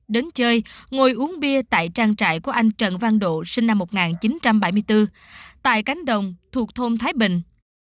đến chơi ngồi uống bia tại trang trại của anh trần văn độ sinh năm một nghìn chín trăm bảy mươi bốn tại cánh đồng thuộc thôn thái bình